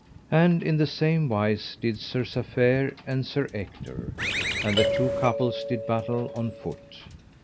And in the same wise did Sir Safere and Sir Ector, and the two couples did battle on foot.